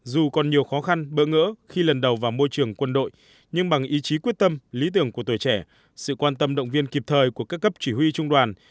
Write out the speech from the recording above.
dù còn nhiều khó khăn bỡ ngỡ khi lần đầu vào môi trường quân đội nhưng bằng ý chí quyết tâm lý tưởng của tuổi trẻ sự quan tâm động viên kịp thời của các cấp chỉ huy trung đoàn